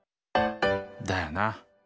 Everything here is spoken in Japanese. だよな！